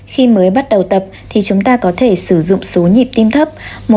khi mới bắt đầu tập thì chúng ta có thể sử dụng số nhịp tim thấp